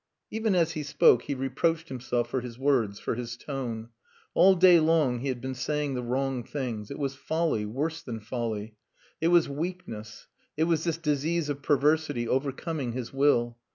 Even as he spoke he reproached himself for his words, for his tone. All day long he had been saying the wrong things. It was folly, worse than folly. It was weakness; it was this disease of perversity overcoming his will.